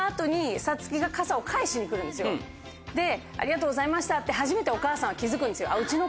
で「ありがとうございました」って。初めてお母さんは気付くんですよ。